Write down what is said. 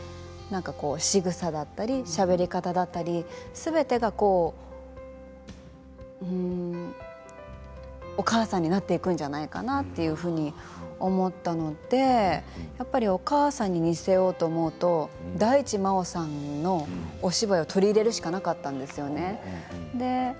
しぐさだったりしゃべり方だったりすべてがお母さんになっていくんじゃないかなというふうに思ったのでやっぱり、お母さんに似せようと思うと大地真央さんのお芝居を取り入れるしかなかったんですよね。